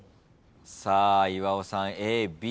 さあ岩尾さん